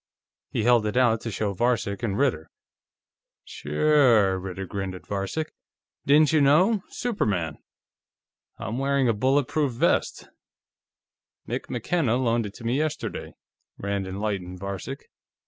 He held it out to show to Varcek and Ritter. "Sure," Ritter grinned at Varcek. "Didn't you know? Superman." "I'm wearing a bulletproof vest; Mick McKenna loaned it to me yesterday," Rand enlightened Varcek.